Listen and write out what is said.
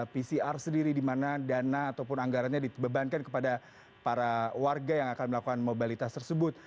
pcr sendiri di mana dana ataupun anggarannya dibebankan kepada para warga yang akan melakukan mobilitas tersebut